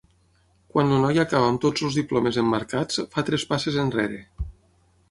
Quan el noi acaba amb tots els diplomes emmarcats fa tres passes enrere.